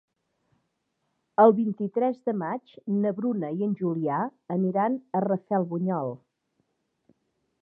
El vint-i-tres de maig na Bruna i en Julià aniran a Rafelbunyol.